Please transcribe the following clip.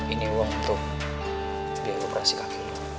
ini uang untuk biaya operasi kakek lo